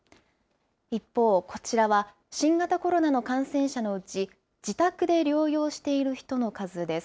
一方、こちらは新型コロナの感染者のうち、自宅で療養している人の数です。